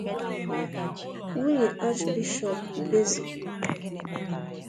nwunye Achbishọọpụ Ibezim